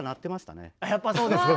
やっぱそうですか。